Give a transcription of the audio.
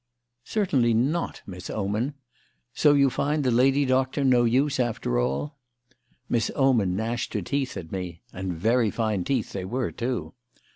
"Certainly not, Miss Oman. So you find the lady doctor no use, after all?" Miss Oman gnashed her teeth at me (and very fine teeth they were, too).